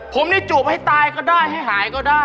ผมนี่จูบให้ตายก็ได้ให้หายก็ได้